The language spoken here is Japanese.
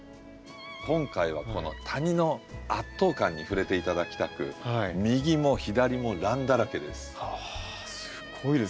今回はこの谷の圧倒感に触れて頂きたく右も左もランだらけです。